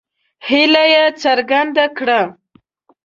هیله یې څرګنده کړه.